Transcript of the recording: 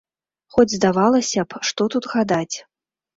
Хоць, здавалася б, што тут гадаць?